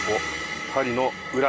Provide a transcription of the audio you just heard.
パリの裏